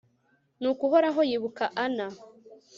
nuko uhoraho yibuka ana